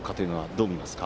どう見ますか？